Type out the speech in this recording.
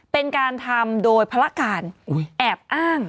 เป็นการทำโดยภาระการแอบอ้าง